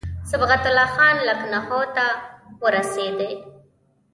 صبغت الله خان لکنهو ته ورسېدی.